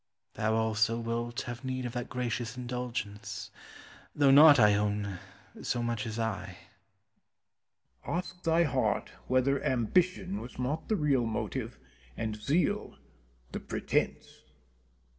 Thou also wilt have need of that gracious indulgence, though not, I own, so much as I. Penn. Ask thy heart whether ambition was not thy real motive and zeal the pretence?